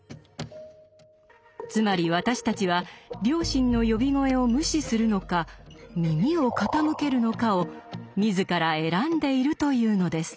つまり私たちは「良心の呼び声」を無視するのか耳を傾けるのかを自ら選んでいるというのです。